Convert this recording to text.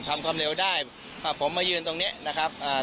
ความเร็วได้อ่าผมมายืนตรงเนี้ยนะครับอ่า